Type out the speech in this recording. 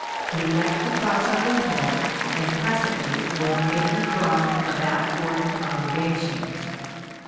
... We left the Plaza Hotel and presently were amid the throng of outpouring congregations.